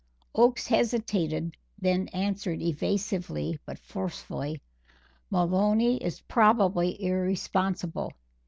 Oakes hesitated, then answered evasively, but forcefully: "Maloney is probably irresponsible.